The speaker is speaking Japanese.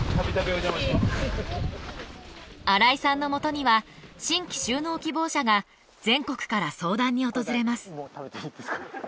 荒井さんのもとには新規就農希望者が全国から相談に訪れます。